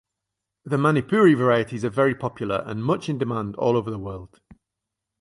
The Manipuri varieties are very popular and much in demand all over the world.